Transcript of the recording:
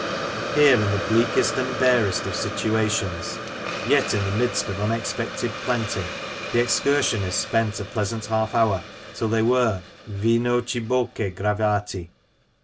Here, in the bleakest and barest of situations, yet in the midst of unexpected plenty, the excursionists spent a pleasant half hour, till they were vino ciboque gravati.